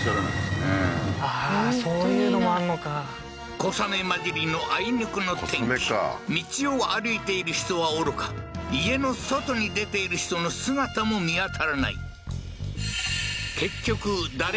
ああーそういうのもあんのか小雨まじりのあいにくの天気道を歩いている人はおろか家の外に出ている人の姿も見当たらない